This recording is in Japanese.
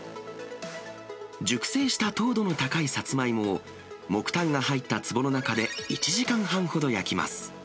熟成した糖度の高いサツマイモを、木炭が入ったつぼの中で、１時間半ほど焼きます。